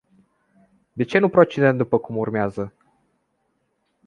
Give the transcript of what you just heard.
De ce nu procedăm după cum urmează?